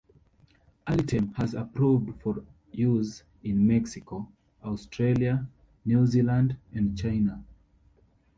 Alitame has approved for use in Mexico, Australia, New Zealand and China.